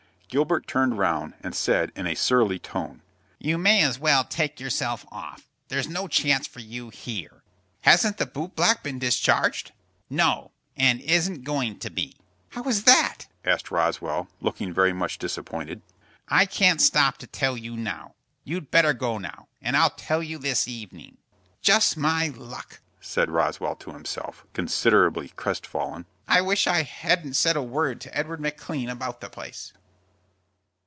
Gilbert turned round, and said, in a surly tone, "You may as well take yourself off. There's no chance for you here." "Hasn't the boot black been discharged?" "No; and isn't going to be." "How is that?" asked Roswell, looking very much disappointed. "I can't stop to tell you now. You'd better go now, and I'll tell you this evening." "Just my luck!" said Roswell to himself, considerably crest fallen. "I wish I hadn't said a word to Edward McLean about the place."